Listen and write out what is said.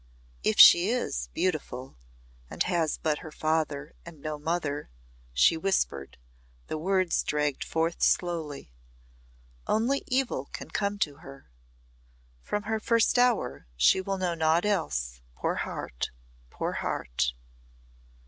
"If she is beautiful, and has but her father, and no mother!" she whispered, the words dragged forth slowly, "only evil can come to her. From her first hour she will know naught else, poor heart, poor heart!"